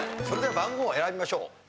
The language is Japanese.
それでは番号を選びましょう。